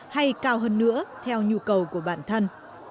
hay cao hơn nữa theo nhu cầu của bản thân